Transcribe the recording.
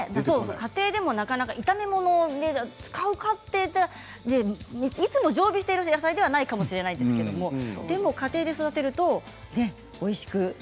家庭でもあまり炒め物で使うかというといつも常備している野菜ではないかもしれないですけどでも家庭で育てるとおいしく。